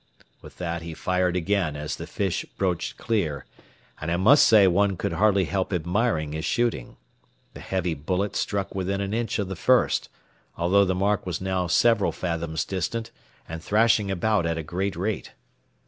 With that he fired again as the fish broached clear, and I must say one could hardly help admiring his shooting. The heavy bullet struck within an inch of the first, although the mark was now several fathoms distant and thrashing about at a great rate.